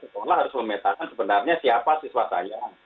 sekolah harus memetakan sebenarnya siapa siswa saya